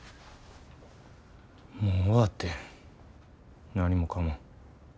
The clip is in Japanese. もう終わってん何もかも。